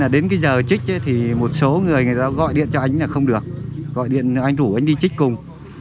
đến giờ trích thì một số người gọi điện cho anh là không được gọi điện anh rủ anh đi trích cùng